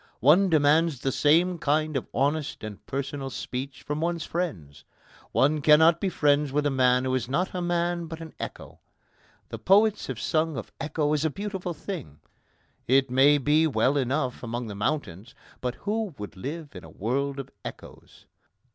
One demands the same kind of honest and personal speech from one's friends. One cannot be friends with a man who is not a man but an echo. The poets have sung of echo as a beautiful thing. It may be well enough among the mountains, but who would live in a world of echoes?